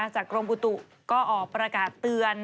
กรมอุตุก็ออกประกาศเตือน